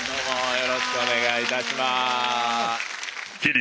よろしくお願いします！